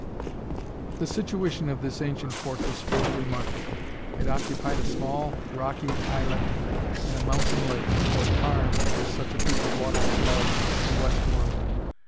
The situation of this ancient fortress was remarkable. It occupied a small rocky islet in a mountain lake, or tarn, as such a piece of water is called in Westmoreland.